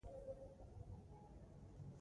هماغه عسکر له خپلو موټرو سره بېرته راغلي وو